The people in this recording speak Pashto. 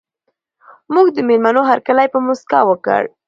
موږ د مېلمنو هرکلی په مسکا وکړ.